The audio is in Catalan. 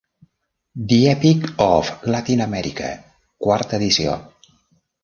The Epic of Latin America, quarta edició.